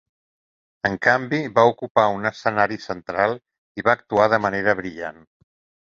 En canvi, va ocupar un escenari central i va actuar de manera brillant.